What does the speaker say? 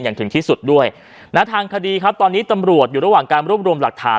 อย่างถึงที่สุดด้วยนะทางคดีครับตอนนี้ตำรวจอยู่ระหว่างการรวบรวมหลักฐาน